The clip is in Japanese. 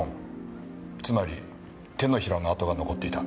つまり手のひらの跡が残っていた。